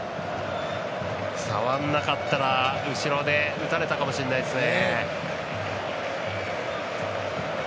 触らなかったら後ろで打たれたかもしれないですね。